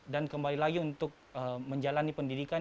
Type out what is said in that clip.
dan kembali lagi untuk menjalani pendidikan